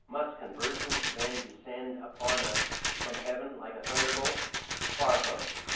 Must conversion then descend upon us from heaven like a thunderbolt? Far from it.